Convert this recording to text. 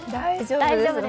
大丈夫です。